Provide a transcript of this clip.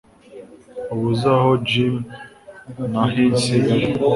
waba uzi aho jim na nancy bari